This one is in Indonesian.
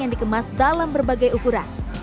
yang dikemas dalam berbagai ukuran